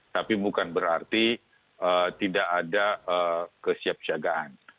tapi bukan berarti tidak ada kesiapsiagaan